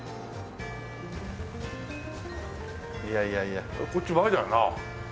いやいやいやこっち前だよな？